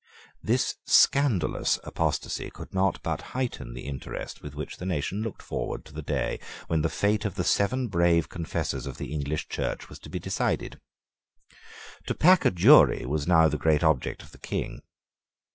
This scandalous apostasy could not but heighten the interest with which the nation looked forward to the day when the fate of the seven brave confessors of the English Church was to be decided. To pack a jury was now the great object of the King.